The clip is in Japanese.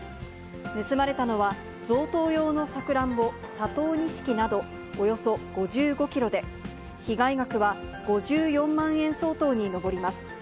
盗まれたのは、贈答用のサクランボ、佐藤錦などおよそ５５キロで、被害額は５４万円相当に上ります。